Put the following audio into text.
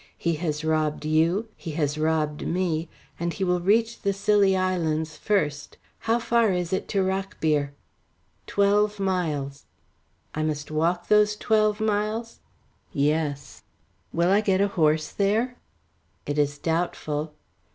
He has robbed you, he has robbed me, and he will reach the Scilly Islands first. How far is it to Rockbere?" "Twelve miles." "I must walk those twelve miles?" "Yes." "Will I get a horse there?" "It is doubtful."